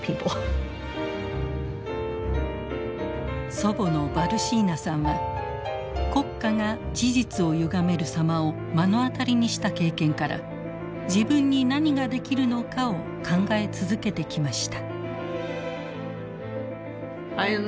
祖母のバルシーナさんは国家が事実をゆがめる様を目の当たりにした経験から自分に何ができるのかを考え続けてきました。